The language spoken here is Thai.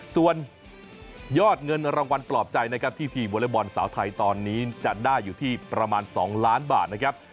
ส่วนยอดเงินรางวัลปลอบใจนะครับที่ทีมวอเล็กบอลสาวไทยตอนนี้จะได้อยู่ที่ประมาณ๒ล้านบาทนะครับ